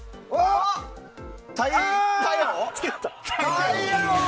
タイヤ王！